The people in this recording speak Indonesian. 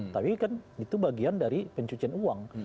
tapi kan itu bagian dari pencucian uang